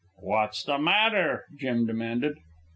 "What's the matter!" Matt demanded.